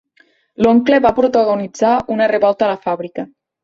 L'oncle va protagonitzar una revolta a la fàbrica.